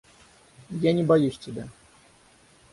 Я не боюсь тебя.